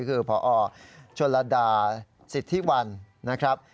คือพอชนลดาสิทธิวันนะครับ